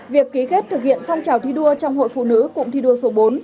việc ký kết thực hiện phong trào thi đua trong hội phụ nữ cụng thi đua số bốn